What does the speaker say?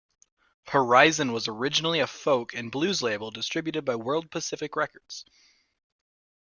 Horizon was originally a folk and blues label distributed by World Pacific Records.